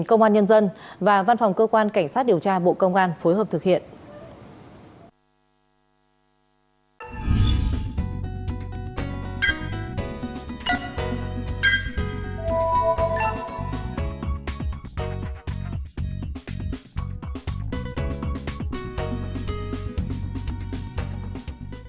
cảm ơn quý vị và các bạn đã quan tâm theo dõi